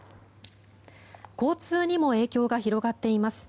交通にも影響が広がっています。